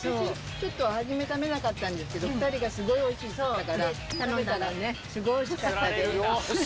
ちょっと初め食べなかったんですけど、２人がすごいおいしいって言ったから、頼んだらね、すごいおいしかったです。